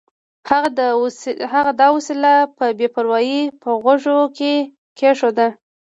هغه دا وسیله په بې پروایۍ په غوږو کې کېښوده